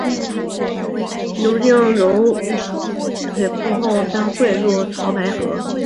流经怀柔水库后在梭草村南汇入潮白河。